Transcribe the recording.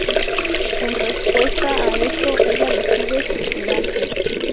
En respuesta a esto ella decide suicidarse.